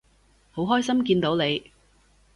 好開心見到你